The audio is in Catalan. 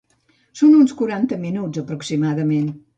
Són uns quaranta minuts aproximadament.